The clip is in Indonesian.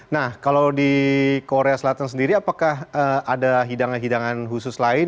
nah kalau di korea selatan sendiri apakah ada hidangan hidangan khusus lain